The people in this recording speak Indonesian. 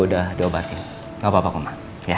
udah diobatin gapapa koma